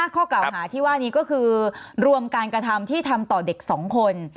ข้อกล่าวหาที่ว่านี้ก็คือรวมการกระทำที่ทำต่อเด็ก๒คน